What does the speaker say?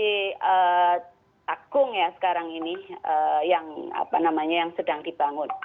kemudian di takung ya sekarang ini yang apa namanya yang sedang dibangun